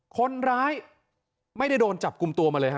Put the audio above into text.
คนร้ายไม่ได้โดนจับกลุ่มตัวมาเลยครับ